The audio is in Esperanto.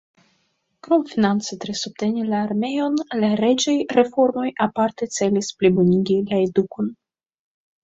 Krom finance tre subteni la armeon, la reĝaj reformoj aparte celis plibonigi la edukon.